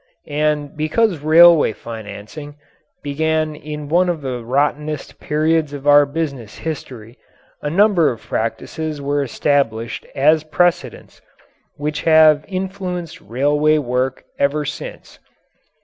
And because railway financing began in one of the rottenest periods of our business history, a number of practices were established as precedents which have influenced railway work ever since.